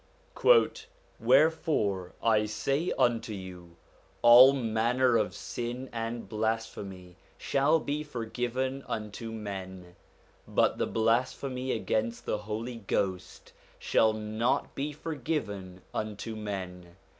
'Wherefore I say unto you, All manner of sin and blasphemy shall be forgiven unto men : but the blasphemy against the Holy Ghost shall not be forgiven unto men.